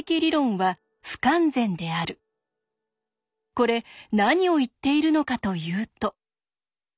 これ何を言っているのかというと。